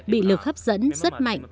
bị lực hấp dẫn rất mạnh